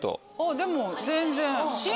でも全然。